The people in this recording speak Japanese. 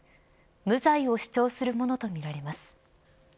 無罪を主張するものとみられます。